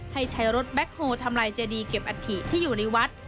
ให้ใช้รถแบ็คโฮลทำลายเจดีเก็บอัฐิที่อยู่ในวัด